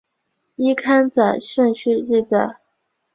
依刊载顺序记载。